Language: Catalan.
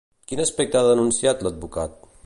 Quin aspecte ha denunciat l'advocat?